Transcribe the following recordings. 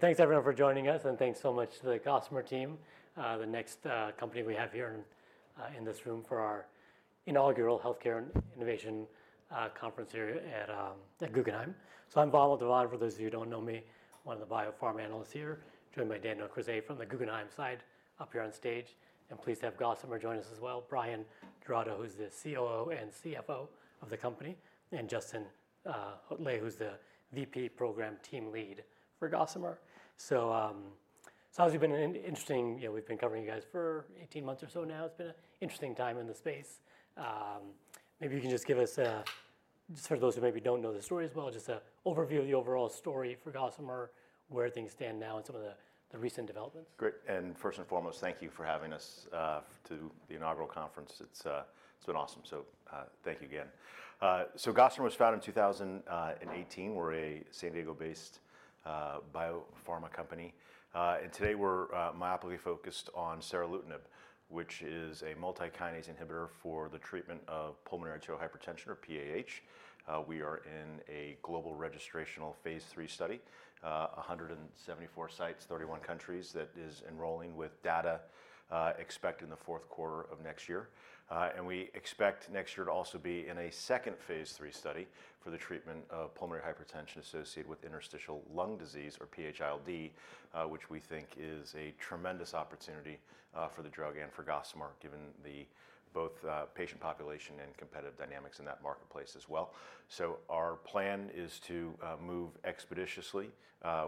Thanks, everyone, for joining us, and thanks so much to the Gossamer team, the next company we have here in this room for our Inaugural Healthcare Innovation Conference here at Guggenheim. I'm Vamil Divan, for those of you who don't know me, one of the biopharma analysts here. Joined by Daniel Krizay from the Guggenheim side up here on stage. Please have Gossamer join us as well. Bryan Giraudo, who's the COO and CFO of the company, and Justin Hotle, who's the VP program team lead for Gossamer. It's obviously been an interesting. We've been covering you guys for 18 months or so now. It's been an interesting time in the space. Maybe you can just give us, just for those who maybe don't know the story as well, just an overview of the overall story for Gossamer, where things stand now, and some of the recent developments. Great. And first and foremost, thank you for having us to the inaugural conference. It's been awesome. So thank you again. So Gossamer was founded in 2018. We're a San Diego-based bio-pharma company. And today we're myopically focused on seralutinib, which is a multikinase inhibitor for the treatment of pulmonary arterial hypertension, or PAH. We are in a global registrational phase III study, 174 sites, 31 countries that is enrolling, with data expected in the fourth quarter of next year. And we expect next year to also be in a second phase III study for the treatment of pulmonary hypertension associated with interstitial lung disease, or PH-ILD, which we think is a tremendous opportunity for the drug and for Gossamer, given both patient population and competitive dynamics in that marketplace as well. Our plan is to move expeditiously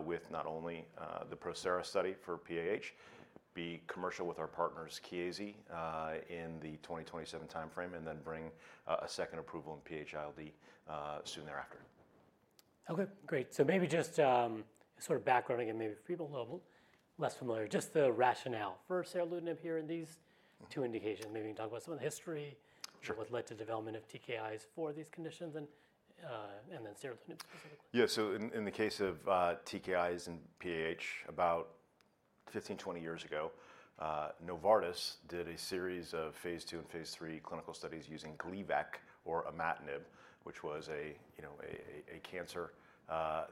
with not only the PROSERA study for PAH, be commercial with our partners, Chiesi, in the 2027 timeframe, and then bring a second approval in PH-ILD soon thereafter. Okay, great. So maybe just sort of background again, maybe for people who are a little less familiar, just the rationale for seralutinib here in these two indications. Maybe you can talk about some of the history, what led to the development of TKIs for these conditions, and then seralutinib specifically. Yeah, so in the case of TKIs and PAH, about 15-20 years ago, Novartis did a series of phase II and phase III clinical studies using Gleevec, or imatinib, which was a cancer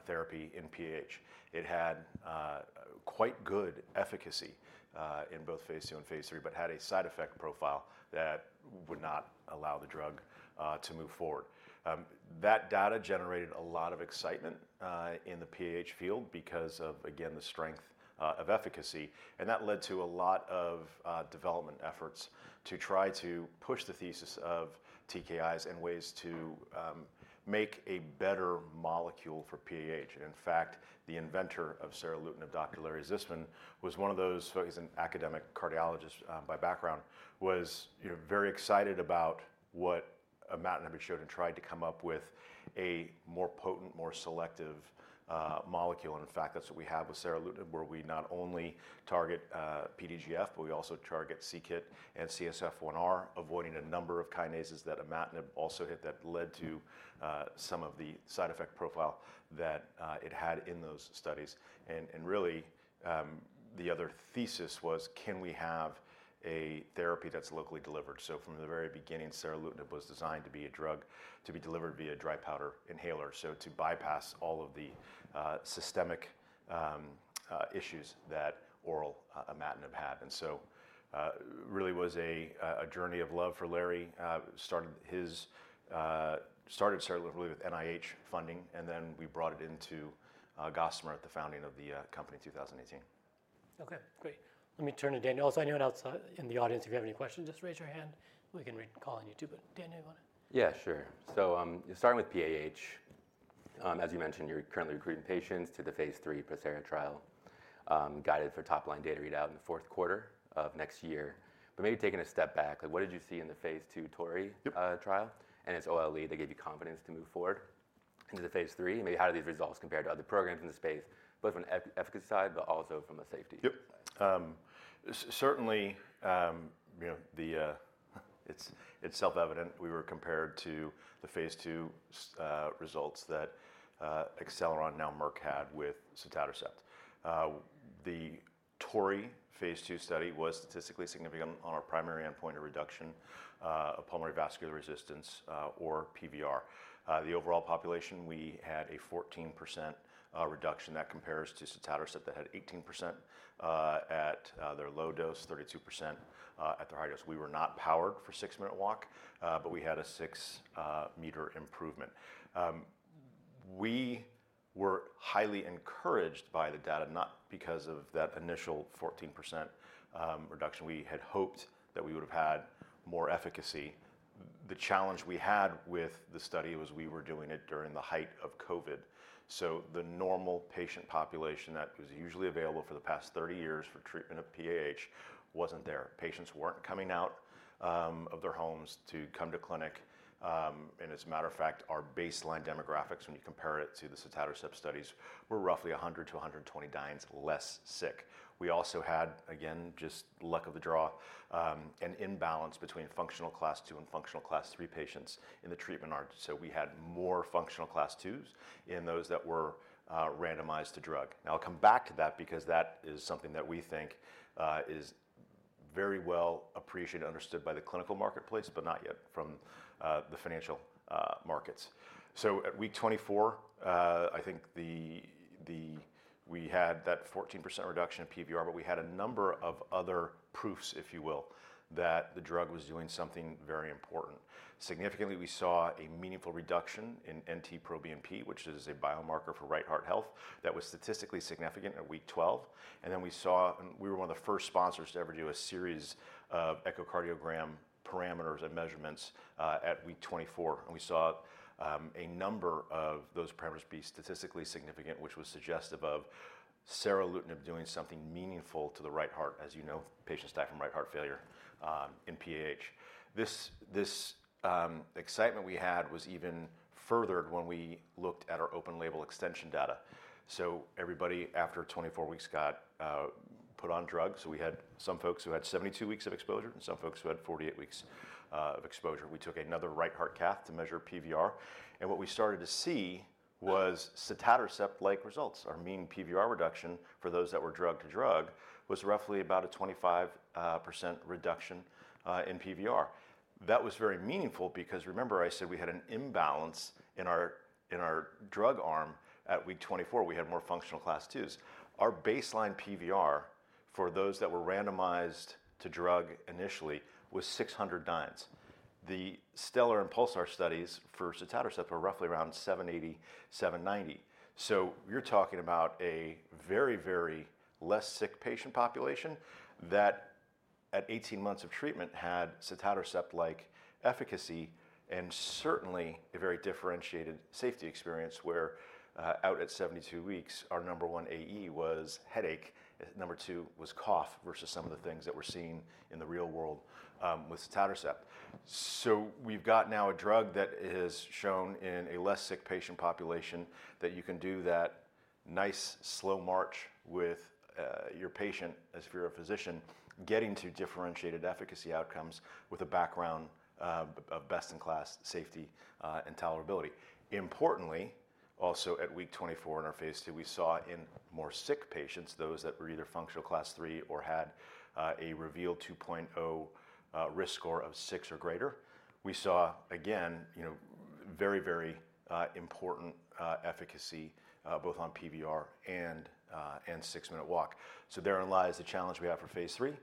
therapy in PAH. It had quite good efficacy in both phase II and phase III, but had a side effect profile that would not allow the drug to move forward. That data generated a lot of excitement in the PAH field because of, again, the strength of efficacy. And that led to a lot of development efforts to try to push the thesis of TKIs and ways to make a better molecule for PAH. In fact, the inventor of seralutinib, Dr. Larry Zisman, was one of those, he's an academic cardiologist by background, was very excited about what imatinib had shown and tried to come up with a more potent, more selective molecule. And in fact, that's what we have with seralutinib, where we not only target PDGF, but we also target c-KIT and CSF1R, avoiding a number of kinases that imatinib also hit that led to some of the side effect profile that it had in those studies. And really, the other thesis was, can we have a therapy that's locally delivered? So from the very beginning, seralutinib was designed to be a drug to be delivered via dry powder inhaler, so to bypass all of the systemic issues that oral imatinib had. And so it really was a journey of love for Larry. Started seralutinib with NIH funding, and then we brought it into Gossamer at the founding of the company in 2018. Okay, great. Let me turn to Daniel. So I know in the audience, if you have any questions, just raise your hand. We can call on you too. But Daniel, you want to? Yeah, sure. So starting with PAH, as you mentioned, you're currently recruiting patients to the phase III PROSERA trial, guided for top-line data readout in the fourth quarter of next year. But maybe taking a step back, what did you see in the phase II TORREY trial and its OLE that gave you confidence to move forward into the phase III? Maybe how do these results compare to other programs in the space, both from an efficacy side, but also from a safety side? Certainly, it's self-evident. We were compared to the phase II results that Acceleron, now Merck, had with sotatercept. The TORREY phase II study was statistically significant on our primary endpoint of reduction of pulmonary vascular resistance, or PVR. The overall population, we had a 14% reduction. That compares to sotatercept that had 18% at their low dose, 32% at their high dose. We were not powered for six-minute walk, but we had a six-meter improvement. We were highly encouraged by the data, not because of that initial 14% reduction. We had hoped that we would have had more efficacy. The challenge we had with the study was we were doing it during the height of COVID. So the normal patient population that was usually available for the past 30 years for treatment of PAH wasn't there. Patients weren't coming out of their homes to come to clinic. And as a matter of fact, our baseline demographics, when you compare it to the sotatercept studies, were roughly 100 to 120 dynes less sick. We also had, again, just luck of the draw, an imbalance between functional class two and functional class three patients in the treatment arm. So we had more functional class twos in those that were randomized to drug. Now, I'll come back to that because that is something that we think is very well appreciated and understood by the clinical marketplace, but not yet from the financial markets. So at week 24, I think we had that 14% reduction in PVR, but we had a number of other proofs, if you will, that the drug was doing something very important. Significantly, we saw a meaningful reduction in NT-proBNP, which is a biomarker for right heart health, that was statistically significant at week 12. And then we saw, and we were one of the first sponsors to ever do a series of echocardiogram parameters and measurements at week 24. And we saw a number of those parameters be statistically significant, which was suggestive of seralutinib doing something meaningful to the right heart, as you know, patients suffer from right heart failure in PAH. This excitement we had was even furthered when we looked at our open-label extension data. So everybody after 24 weeks got put on drugs. So we had some folks who had 72 weeks of exposure and some folks who had 48 weeks of exposure. We took another right heart cath to measure PVR. And what we started to see was sotatercept-like results. Our mean PVR reduction for those that were drug to drug was roughly about a 25% reduction in PVR. That was very meaningful because remember, I said we had an imbalance in our drug arm. At week 24, we had more functional class twos. Our baseline PVR for those that were randomized to drug initially was 600 dynes. The Stellar and Pulsar studies for sotatercept were roughly around 780-790. So you're talking about a very, very less sick patient population that at 18 months of treatment had sotatercept-like efficacy and certainly a very differentiated safety experience where out at 72 weeks, our number one AE was headache. Number two was cough versus some of the things that we're seeing in the real world with sotatercept. So we've got now a drug that has shown in a less sick patient population that you can do that nice slow march with your patient as if you're a physician, getting to differentiated efficacy outcomes with a background of best-in-class safety and tolerability. Importantly, also at week 24 in our phase II, we saw in more sick patients, those that were either functional class three or had a REVEAL 2.0 risk score of six or greater, we saw, again, very, very important efficacy both on PVR and six-minute walk. So therein lies the challenge we have for phase III,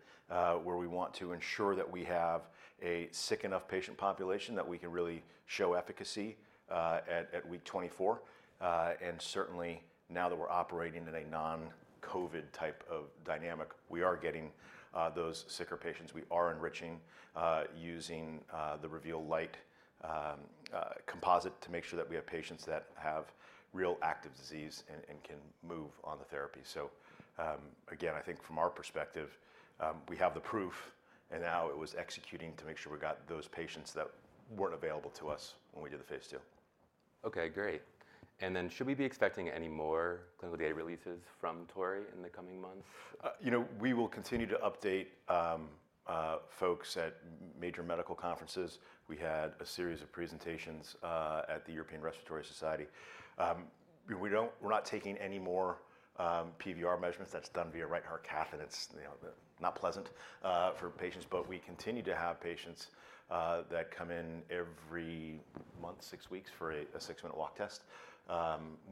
where we want to ensure that we have a sick enough patient population that we can really show efficacy at week 24. And certainly, now that we're operating in a non-COVID type of dynamic, we are getting those sicker patients. We are enriching using the REVEAL Lite composite to make sure that we have patients that have real active disease and can move on the therapy. Again, I think from our perspective, we have the proof, and now it was executing to make sure we got those patients that weren't available to us when we did the phase II. Okay, great. And then should we be expecting any more clinical data releases from TORREY in the coming months? We will continue to update folks at major medical conferences. We had a series of presentations at the European Respiratory Society. We're not taking any more PVR measurements. That's done via right heart cath, and it's not pleasant for patients. But we continue to have patients that come in every month, six weeks for a six-minute walk test.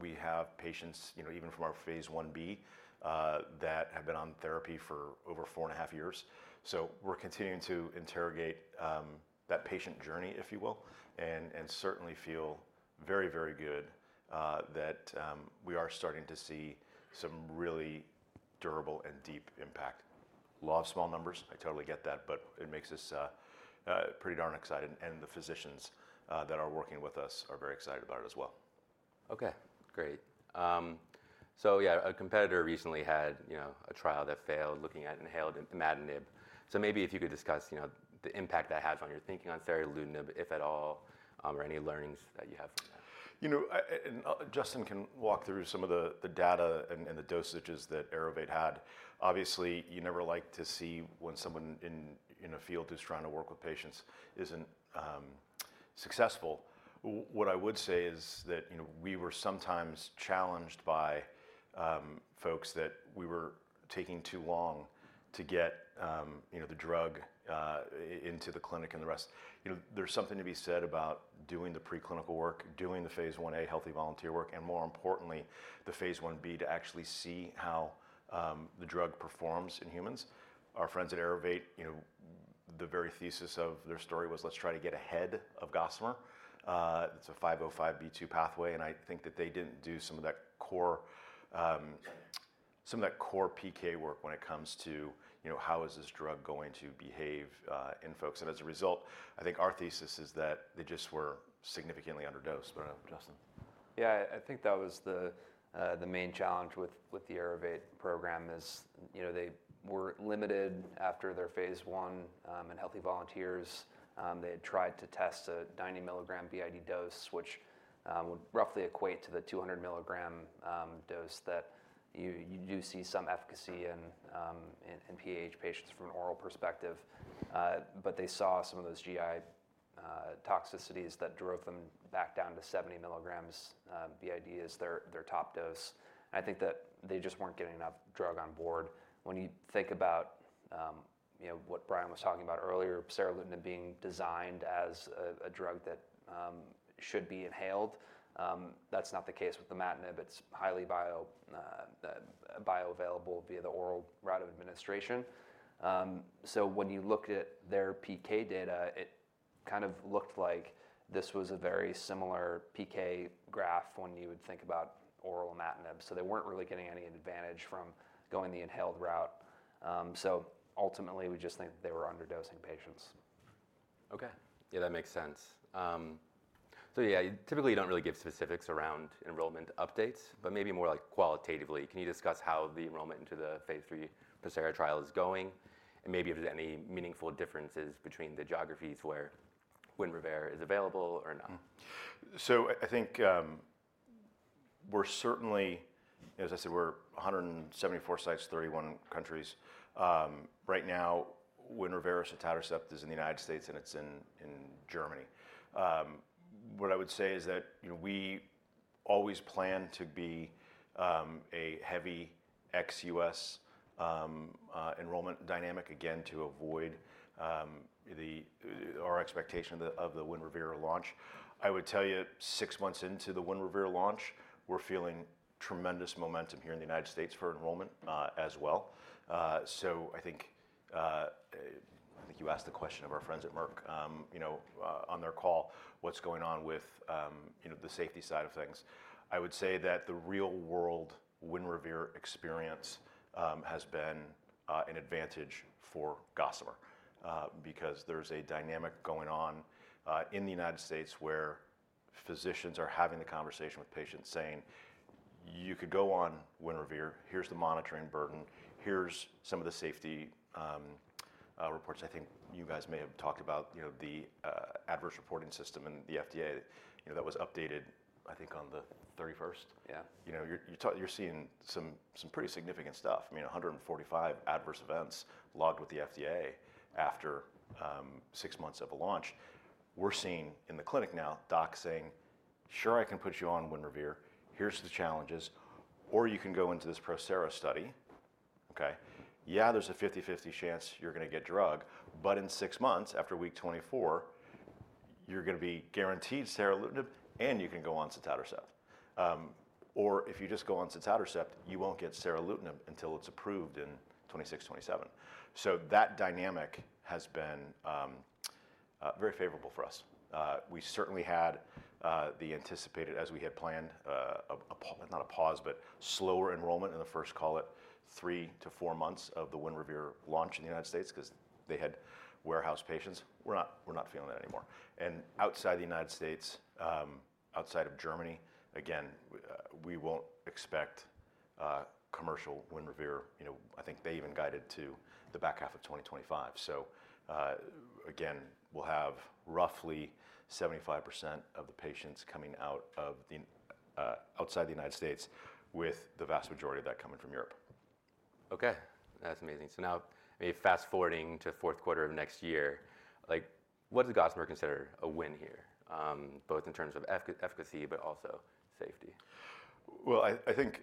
We have patients even from our phase I-B that have been on therapy for over four and a half years. So we're continuing to interrogate that patient journey, if you will, and certainly feel very, very good that we are starting to see some really durable and deep impact. A lot of small numbers, I totally get that, but it makes us pretty darn excited. And the physicians that are working with us are very excited about it as well. Okay, great. So yeah, a competitor recently had a trial that failed looking at inhaled imatinib. So maybe if you could discuss the impact that has on your thinking on seralutinib, if at all, or any learnings that you have from that. Justin can walk through some of the data and the dosages that Aerovate had. Obviously, you never like to see when someone in a field who's trying to work with patients isn't successful. What I would say is that we were sometimes challenged by folks that we were taking too long to get the drug into the clinic and the rest. There's something to be said about doing the preclinical work, doing the phase I-A healthy volunteer work, and more importantly, the phase I-B to actually see how the drug performs in humans. Our friends at Aerovate, the very thesis of their story was, let's try to get ahead of Gossamer. It's a 505(b)(2) pathway, and I think that they didn't do some of that core PK work when it comes to how is this drug going to behave in folks. As a result, I think our thesis is that they just were significantly underdosed. Justin? Yeah, I think that was the main challenge with the Aerovate program is they were limited after their phase I in healthy volunteers. They had tried to test a 90-milligram BID dose, which would roughly equate to the 200-milligram dose that you do see some efficacy in PAH patients from an oral perspective. But they saw some of those GI toxicities that drove them back down to 70 milligrams BID as their top dose. And I think that they just weren't getting enough drug on board. When you think about what Bryan was talking about earlier, seralutinib being designed as a drug that should be inhaled, that's not the case with imatinib. It's highly bioavailable via the oral route of administration. So when you looked at their PK data, it kind of looked like this was a very similar PK graph when you would think about oral imatinib. They weren't really getting any advantage from going the inhaled route. Ultimately, we just think that they were underdosing patients. Okay. Yeah, that makes sense. So yeah, typically, you don't really give specifics around enrollment updates, but maybe more like qualitatively. Can you discuss how the enrollment into the phase III PROSERA trial is going? And maybe if there's any meaningful differences between the geographies where Winrevair is available or not? So I think we're certainly, as I said, we're 174 sites, 31 countries. Right now, Winrevair sotatercept is in the United States, and it's in Germany. What I would say is that we always plan to be a heavy ex-U.S. enrollment dynamic, again, to avoid our expectation of the Winrevair launch. I would tell you six months into the Winrevair launch, we're feeling tremendous momentum here in the United States for enrollment as well. So I think you asked the question of our friends at Merck on their call, what's going on with the safety side of things. I would say that the real-world Winrevair experience has been an advantage for Gossamer because there's a dynamic going on in the United States where physicians are having the conversation with patients saying, you could go on Winrevair. Here's the monitoring burden. Here's some of the safety reports. I think you guys may have talked about the adverse reporting system and the FDA that was updated, I think, on the 31st. Yeah. You're seeing some pretty significant stuff. I mean, 145 adverse events logged with the FDA after six months of a launch. We're seeing in the clinic now docs saying, sure, I can put you on Winrevair. Here's the challenges. Or you can go into this PROSERA study. Okay? Yeah, there's a 50/50 chance you're going to get drug, but in six months after week 24, you're going to be guaranteed seralutinib, and you can go on sotatercept. Or if you just go on sotatercept, you won't get seralutinib until it's approved in 2026, 2027. So that dynamic has been very favorable for us. We certainly had the anticipated, as we had planned, not a pause, but slower enrollment in the first, call it three to four months of the Winrevair launch in the United States because they had warehouse patients. We're not feeling that anymore. And outside the United States, outside of Germany, again, we won't expect commercial Winrevair. I think they even guided to the back half of 2025, so again, we'll have roughly 75% of the patients coming out of outside the United States with the vast majority of that coming from Europe. Okay. That's amazing. So now, maybe fast forwarding to fourth quarter of next year, what does Gossamer consider a win here, both in terms of efficacy, but also safety? I think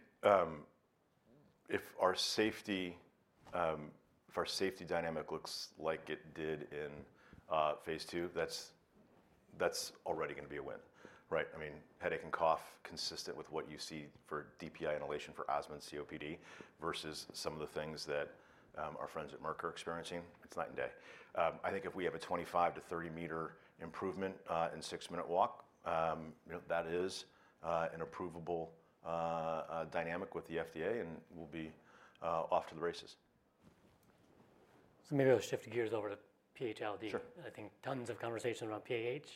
if our safety dynamic looks like it did in phase II, that's already going to be a win, right? I mean, headache and cough consistent with what you see for DPI inhalation for asthma and COPD versus some of the things that our friends at Merck are experiencing. It's night and day. I think if we have a 25 m -30 m improvement in six-minute walk, that is an approvable dynamic with the FDA, and we'll be off to the races. So maybe I'll shift gears over to PH-ILD. Sure. I think tons of conversation around PAH,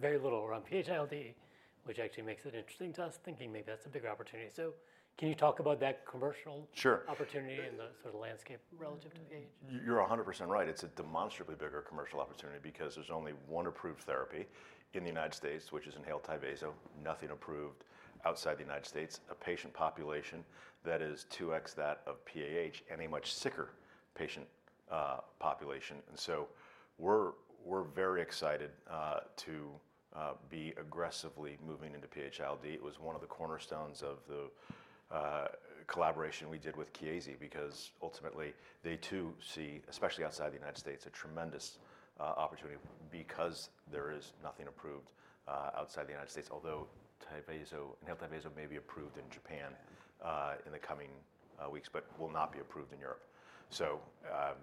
very little around PH-ILD, which actually makes it interesting to us, thinking maybe that's a bigger opportunity. So can you talk about that commercial opportunity and the sort of landscape relative to PAH? You're 100% right. It's a demonstrably bigger commercial opportunity because there's only one approved therapy in the United States, which is inhaled Tyvaso, nothing approved outside the United States, a patient population that is 2x that of PAH, and a much sicker patient population. And so we're very excited to be aggressively moving into PH-ILD. It was one of the cornerstones of the collaboration we did with Chiesi because ultimately, they too see, especially outside the United States, a tremendous opportunity because there is nothing approved outside the United States, although inhaled Tyvaso may be approved in Japan in the coming weeks, but will not be approved in Europe. So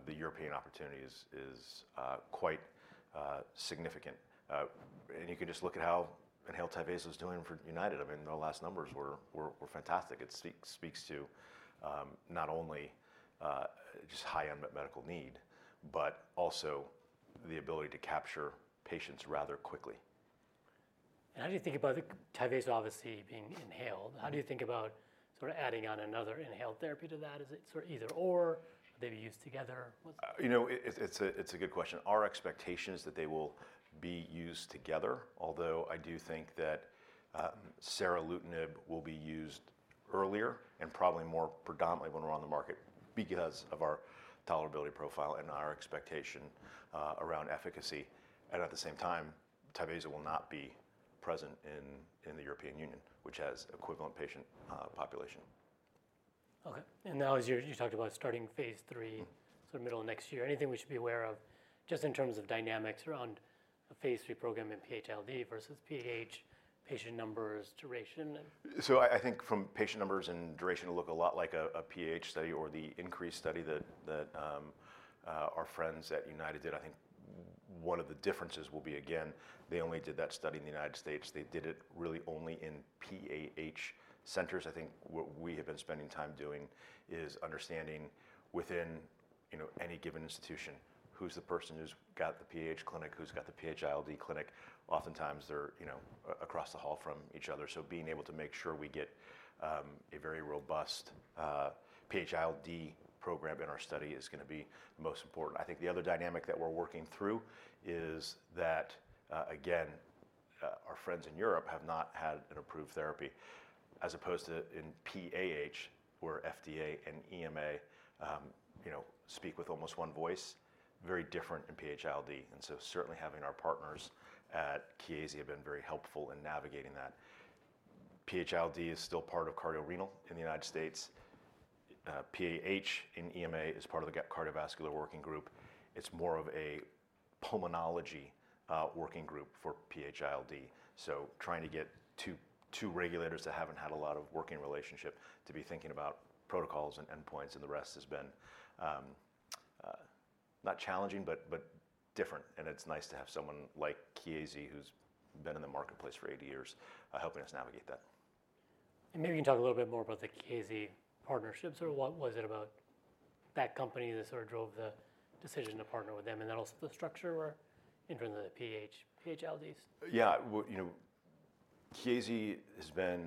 the European opportunity is quite significant. And you can just look at how inhaled Tyvaso is doing for United. I mean, their last numbers were fantastic. It speaks to not only just high-end medical need, but also the ability to capture patients rather quickly. How do you think about the Tyvaso obviously being inhaled? How do you think about sort of adding on another inhaled therapy to that? Is it sort of either/or? Are they being used together? It's a good question. Our expectation is that they will be used together, although I do think that seralutinib will be used earlier and probably more predominantly when we're on the market because of our tolerability profile and our expectation around efficacy, and at the same time, Tyvaso will not be present in the European Union, which has equivalent patient population. Okay. And now you talked about starting phase III sort of middle of next year. Anything we should be aware of just in terms of dynamics around a phase III program in PH-ILD versus PAH patient numbers, duration? I think from patient numbers and duration, it will look a lot like a PAH study or the INCREASE study that our friends at United did. I think one of the differences will be, again, they only did that study in the United States. They did it really only in PAH centers. I think what we have been spending time doing is understanding within any given institution, who is the person who has got the PAH clinic, who has got the PH-ILD clinic. Oftentimes, they are across the hall from each other. Being able to make sure we get a very robust PH-ILD program in our study is going to be most important. I think the other dynamic that we are working through is that, again, our friends in Europe have not had an approved therapy as opposed to in PAH, where FDA and EMA speak with almost one voice. It is very different in PH-ILD. And so certainly having our partners at Chiesi have been very helpful in navigating that. PH-ILD is still part of cardiorenal in the United States. PAH in EMA is part of the cardiovascular working group. It's more of a pulmonology working group for PH-ILD, so trying to get two regulators that haven't had a lot of working relationship to be thinking about protocols and endpoints and the rest has been not challenging, but different, and it's nice to have someone like Chiesi, who's been in the marketplace for 80 years, helping us navigate that. Maybe you can talk a little bit more about the Chiesi partnership. What was it about that company that sort of drove the decision to partner with them and then also the structure in terms of the PH-ILD? Yeah. Chiesi has been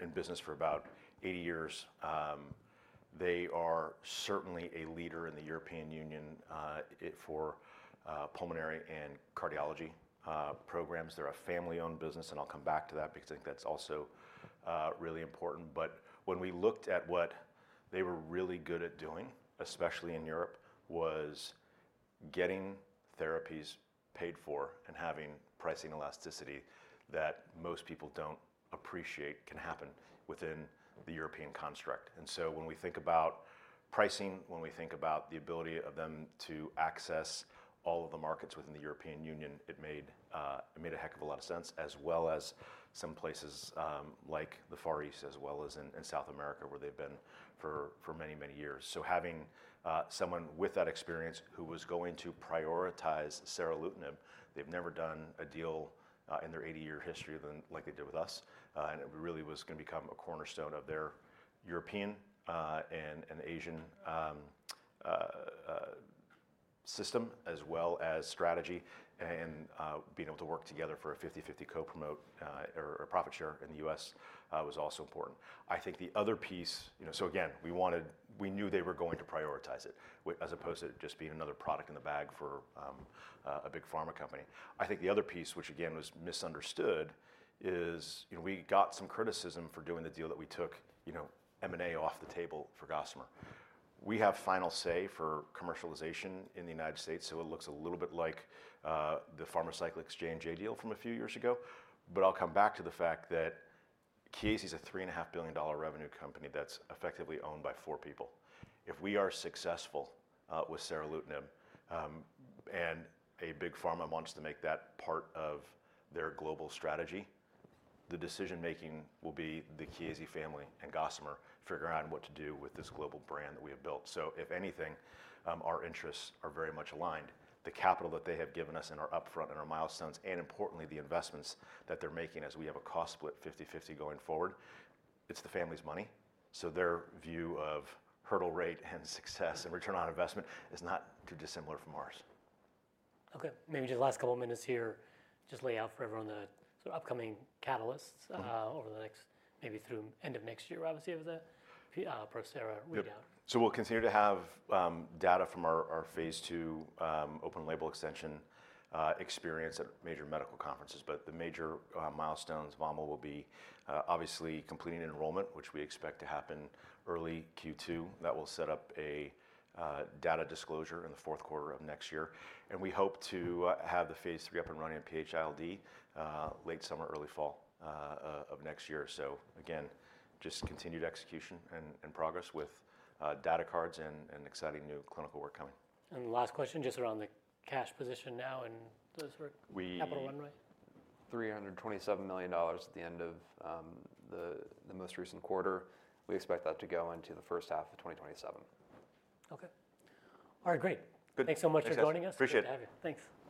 in business for about 80 years. They are certainly a leader in the European Union for pulmonary and cardiology programs. They're a family-owned business, and I'll come back to that because I think that's also really important. But when we looked at what they were really good at doing, especially in Europe, was getting therapies paid for and having pricing elasticity that most people don't appreciate can happen within the European construct. And so when we think about pricing, when we think about the ability of them to access all of the markets within the European Union, it made a heck of a lot of sense, as well as some places like the Far East, as well as in South America, where they've been for many, many years. So having someone with that experience who was going to prioritize seralutinib, they've never done a deal in their 80-year history like they did with us. And it really was going to become a cornerstone of their European and Asian system as well as strategy. And being able to work together for a 50/50 co-promote or profit share in the U.S. was also important. I think the other piece, so again, we knew they were going to prioritize it as opposed to it just being another product in the bag for a big pharma company. I think the other piece, which again was misunderstood, is we got some criticism for doing the deal that we took M&A off the table for Gossamer. We have final say for commercialization in the United States, so it looks a little bit like the Pharmacyclics-J&J deal from a few years ago. But I'll come back to the fact that Chiesi is a $3.5 billion revenue company that's effectively owned by four people. If we are successful with seralutinib and a big pharma wants to make that part of their global strategy, the decision-making will be the Chiesi family and Gossamer figuring out what to do with this global brand that we have built. So if anything, our interests are very much aligned. The capital that they have given us in our upfront and our milestones and, importantly, the investments that they're making as we have a cost split 50/50 going forward, it's the family's money. So their view of hurdle rate and success and return on investment is not too dissimilar from ours. Okay. Maybe just last couple of minutes here, just lay out for everyone the sort of upcoming catalysts over the next maybe through end of next year, obviously, of the PROSERA readout. We'll continue to have data from our phase II open-label extension experience at major medical conferences. The major milestones, Vamil, will be obviously completing enrollment, which we expect to happen early Q2. That will set up a data disclosure in the fourth quarter of next year. We hope to have the phase III up and running in PH-ILD late summer, early fall of next year. Again, just continued execution and progress with data cards and exciting new clinical work coming. The last question just around the cash position now and those sort of capital runway. $327 million at the end of the most recent quarter. We expect that to go into the first half of 2027. Okay. All right. Great. Good. Thanks so much for joining us. Good to have you. Thanks.